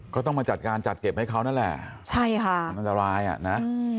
ก็ต้องมาจัดการจัดเก็บให้เขานั่นแหละใช่ค่ะมันอันตรายอ่ะนะ